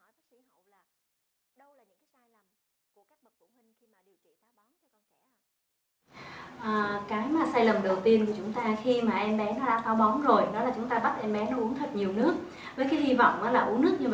với cái hy vọng là uống nước như vậy